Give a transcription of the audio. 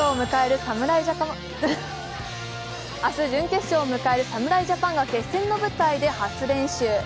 明日、準決勝を迎える侍ジャパンが決戦の舞台で初練習。